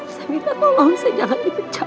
saya minta tolong saya jangan dipecat